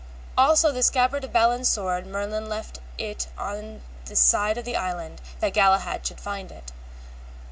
Also the scabbard of Balin's sword Merlin left it on this side the island, that Galahad should find it.